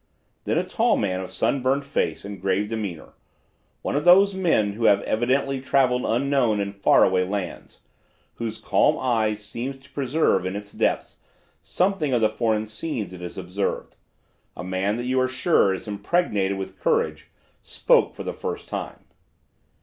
Then a tall man of sunburned face and grave demeanor, one of those men who have evidently traveled unknown and far away lands, whose calm eye seems to preserve in its depths something of the foreign scenes it has observed, a man that you are sure is impregnated with courage, spoke for the first time.